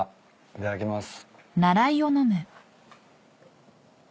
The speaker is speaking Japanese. いただきます。